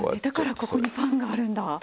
だからここにパンがあるんだ。